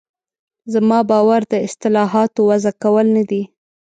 زما باور د اصطلاحاتو وضع کول نه دي.